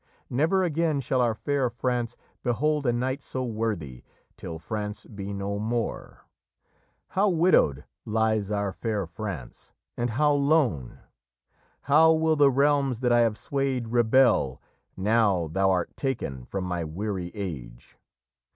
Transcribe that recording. Never again shall our fair France behold A knight so worthy, till France be no more! How widowed lies our fair France, and how lone! How will the realms that I have swayed rebel, Now thou art taken from my weary age!